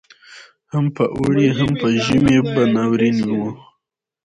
هم په اوړي هم په ژمي به ناورین وو